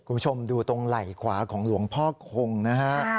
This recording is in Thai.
คุณผู้ชมดูตรงไหล่ขวาของหลวงพ่อคงนะฮะ